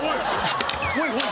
おいおい！